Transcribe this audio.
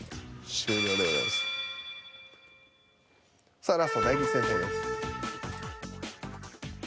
さあラスト大吉先生です。